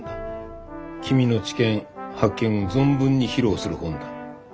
君の知見発見を存分に披露する本だ。